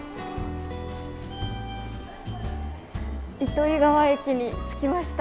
糸魚川駅に着きました。